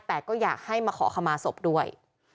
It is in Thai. แต่ก็อยากให้มาขอขมาศพด้วย